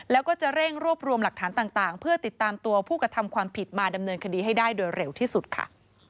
แล้วก็จะเร่งรวบรวมหลักฐานต่างเพื่อติดตามตัวผู้กระทำความผิดมาดำเนินคดีให้ได้โดยเร็วที่สุดค่ะ